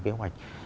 nằm trong kế hoạch